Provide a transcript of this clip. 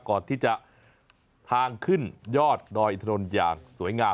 ก่อนที่จะทางขึ้นยอดดอยถนนอย่างสวยงาม